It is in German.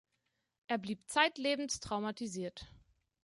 Er blieb zeitlebens traumatisiert.